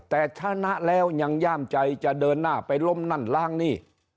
แต่ชนะแล้วยังย่ามใจจะเดินหน้าไปล้มนั่นล้างนี่